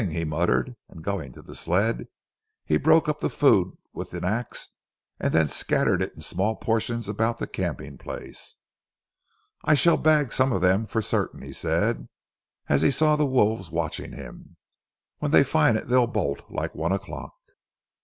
he muttered, and going to the sled, he broke up the food with an ax and then scattered it in small portions about the camping place. "I shall bag some of them for certain," he said, as he saw the wolves watching him. "When they find it they'll bolt it like one o'clock."